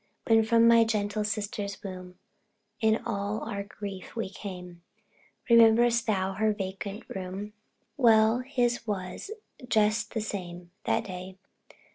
When from my gentle sister's tomb, In all our grief, we came, Rememberest thou her vacant room! Well, his was just the same, that day.